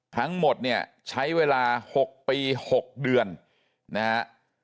ทั้งหมดเนี่ยใช้เวลา๖ปี๖เดือนนะฮะ